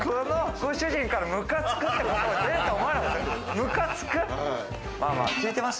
ご主人から、むかつくっていう言葉出ると思わなかった。